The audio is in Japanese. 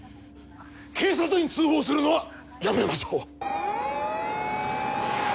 警察に通報するのはやめましょう！